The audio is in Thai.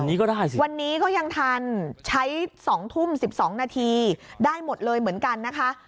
วันนี้ก็ได้สิวันนี้ก็ยังทันใช้๒ทุ่ม๑๒นาทีได้หมดเลยเหมือนกันนะคะ